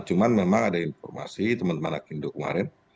cuma memang ada informasi teman teman akindo kemarin